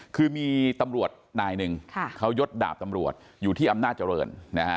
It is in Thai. คือมีตำรวจนายหนึ่งเขายดดาบตำรวจอยู่ที่อำนาจเจริญ